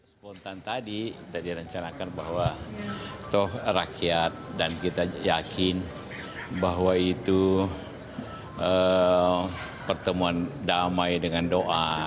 spontan tadi kita direncanakan bahwa toh rakyat dan kita yakin bahwa itu pertemuan damai dengan doa